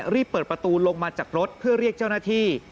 รีบเปิดประตูลงมาจากรถเพื่อเรียกเจ้าหน้าที่